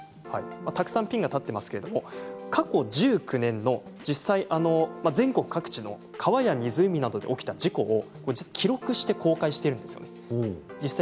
たくさんピンが立っていますけれど過去１９年の実際の全国各地の川や湖などで起きた事故を記録して公開しているんです。